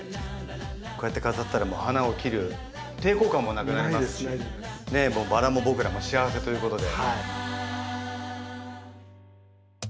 こうやって飾ったら花を切る抵抗感もなくなりますしバラも僕らも幸せということで。